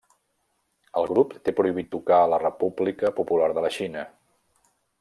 El grup té prohibit tocar a la República Popular de la Xina.